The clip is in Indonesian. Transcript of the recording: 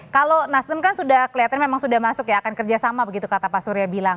kalau nasdem kan sudah kelihatan memang sudah masuk ya akan kerjasama begitu kata pak surya bilang